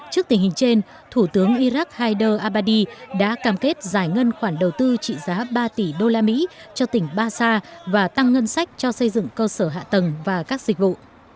trước tình hình trên thủ tướng iraq haider abbadi đã cam kết giải ngân khoản đầu tư trị giá ba tỷ usd cho tỉnh basa và tăng ngân sách cho xây dựng cơ sở hạ tầng và các dịch vụ